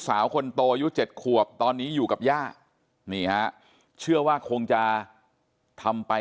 สาวคนโตอายุ๗ขวบตอนนี้อยู่กับย่านี่ฮะเชื่อว่าคงจะทำไป